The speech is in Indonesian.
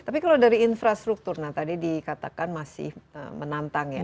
tapi kalau dari infrastruktur nah tadi dikatakan masih menantang ya